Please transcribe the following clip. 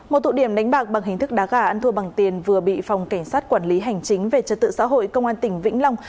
một tụ điểm đánh bạc bằng hình thức đá gà ăn thua bằng tiền vừa bị phòng cảnh sát quản lý hành chính về trật tự xã hội công an tỉnh vĩnh long